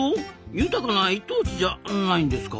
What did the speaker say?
豊かな一等地じゃないんですか？